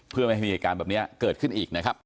เพื่อไม่ให้มีเหตุการณ์แบบนี้เกิดขึ้นอีกนะครับ